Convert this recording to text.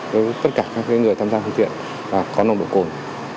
đối với tất cả các người tham gia phương tiện